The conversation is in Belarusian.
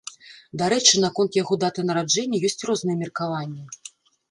Дарэчы, наконт яго даты нараджэння ёсць розныя меркаванні.